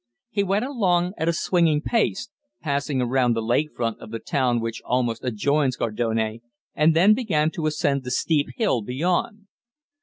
He went along at a swinging pace, passing around the lake front of the town which almost adjoins Gardone, and then began to ascend the steep hill beyond.